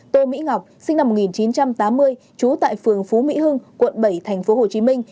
tô mỹ ngọc sinh năm một nghìn chín trăm tám mươi trú tại phường phú mỹ hưng quận bảy thành phố hồ chí minh